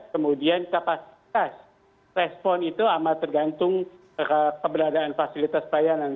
kemudian kapasitas respon itu amat tergantung keberadaan fasilitas pelayanan